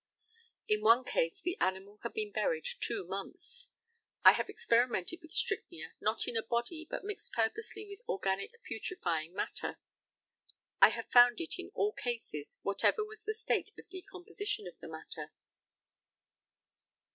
In one case the animal had been buried two months. I have experimented with strychnia not in a body, but mixed purposely with organic putrefying matter. I have found it in all cases, whatever was the state of decomposition of the matter.